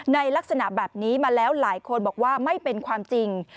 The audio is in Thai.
ลักษณะแบบนี้มาแล้วหลายคนบอกว่าไม่เป็นความจริง